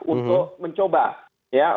untuk mencoba ya